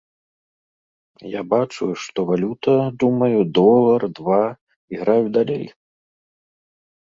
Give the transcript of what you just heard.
Я бачу, што валюта, думаю, долар, два, і граю далей.